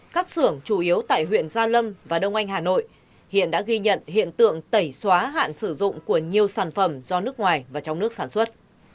các xưởng chủ yếu tại huyện gia lâm và đông anh hà nội hiện đã ghi nhận hiện tượng tẩy xóa hạn sử dụng của nhiều sản phẩm do nước ngoài và trong nước sản xuất